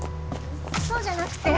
そうじゃなくて。